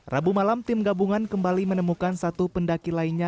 rabu malam tim gabungan kembali menemukan satu pendaki lainnya